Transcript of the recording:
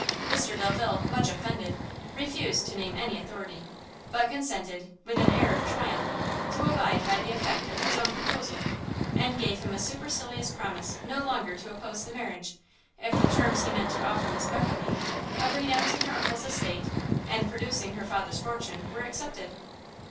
Mr Delvile, much offended, refused to name any authority, but consented, with an air of triumph, to abide by the effect of his own proposal, and gave him a supercilious promise no longer to oppose the marriage, if the terms he meant to offer to Miss Beverley, of renouncing her uncle's estate, and producing her father's fortune, were accepted.